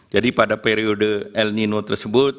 jadi pada periode el nino tersebut